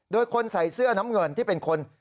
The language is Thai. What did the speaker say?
โดยคนใส่เสื้อน้ำเงินที่เป็นคน